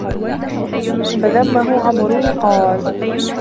فَذَمَّهُ عَمْرٌو وَقَالَ